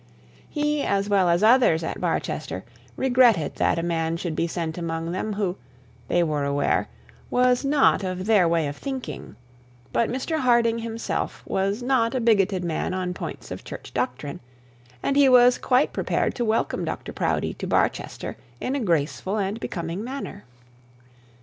He, as well as others at Barchester, regretted that a man should be sent among them who, they were aware, was not of their way of thinking; but Mr Harding himself was not a bigoted man on points of church doctrine, and he was quite prepared to welcome Dr Proudie to Barchester in a graceful and becoming manner.